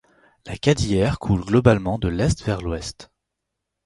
La Cadière coule globalement de l'est vers l'ouest.